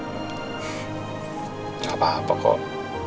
tidak apa apa kok